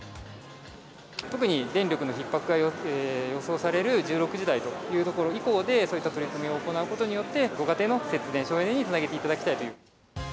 特に電力のひっ迫が予想される１６時台というところ以降で、そういった取り組みを行うことによって、ご家庭の節電、省エネにつなげていただきたいという。